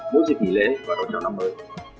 mỗi dịp nghỉ lễ và đón châu năm mới